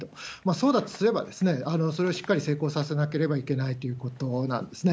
そうだとすれば、それをしっかり成功させなければいけないということなんですね。